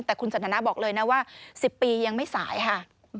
แต่คุณสันทนาบอกเลยนะว่า๑๐ปียังไม่สายค่ะ